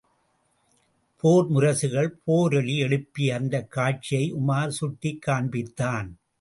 போர் முரசுகள் பேரொலி எழுப்பிய அந்தக் காட்சியை உமார் சுட்டிக் காண்பித்தான்.